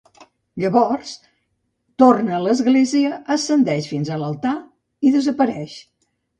Llavors, torna a l'església, ascendeix fins a l'altar i desapareix.